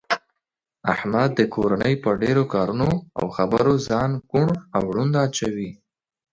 احمد د کورنۍ په ډېرو کارونو او خبرو ځان کوڼ او ړوند اچوي.